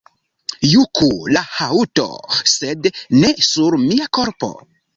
Juku la haŭto, sed ne sur mia korpo.